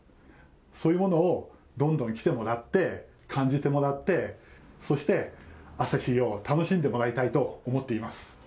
そういうものをどんどん来てもらって、感じてもらって、そして、旭を楽しんでもらいたいと思っています。